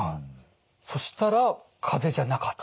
そしたらかぜじゃなかった？